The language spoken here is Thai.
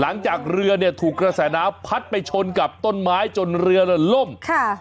หลังจากเรือเนี่ยถูกกระแสน้ำพัดไปชนกับต้นไม้จนเรือล่มค่ะ